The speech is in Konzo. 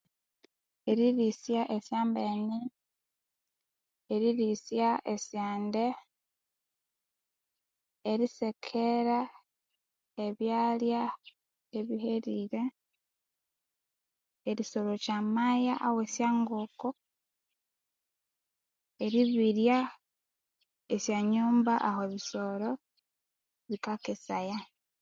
Eririsya esyombene eririsya esyande erisekera ebyalha ebiherire erisorokya amaya owesyagonko neribirya aha bisoro bikakesaya